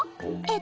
え？